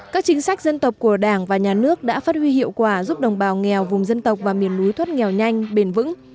các chính sách dân tộc của đảng và nhà nước đã phát huy hiệu quả giúp đồng bào nghèo vùng dân tộc và miền núi thoát nghèo nhanh bền vững